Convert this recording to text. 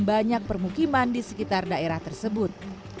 banyak permukiman di sekitar daerah tersebut